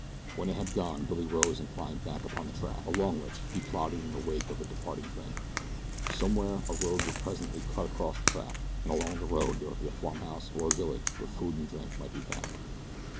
When it had gone Billy rose and climbed back upon the track, along which he plodded in the wake of the departing train. Somewhere a road would presently cut across the track, and along the road there would be farmhouses or a village where food and drink might be found.